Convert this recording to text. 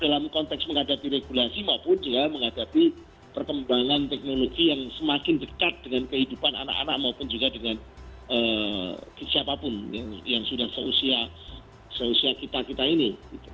dalam konteks menghadapi regulasi maupun juga menghadapi perkembangan teknologi yang semakin dekat dengan kehidupan anak anak maupun juga dengan siapapun yang sudah seusia kita kita ini